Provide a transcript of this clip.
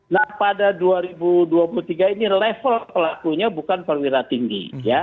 nah pada dua ribu dua puluh tiga ini level pelakunya bukan perwira tinggi